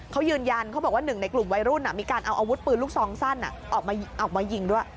เขายืนยันเขาบอกว่าหนึ่งในกลุ่มวัยรุ่นมีการเอาอาวุธปืนลูกซองสั้นออกมายิงด้วย